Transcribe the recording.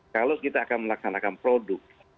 kalau kita akan melaksanakan produk